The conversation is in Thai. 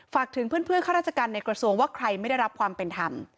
ฝากถึงเพื่อนข้าราชการในกระทรวงว่าใครไม่ได้รับความเป็นธรรม